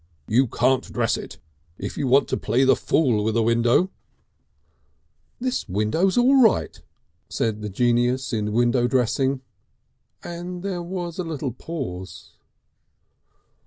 "You can't dress it. If you want to play the fool with a window " "This window's All Right," said the genius in window dressing, and there was a little pause.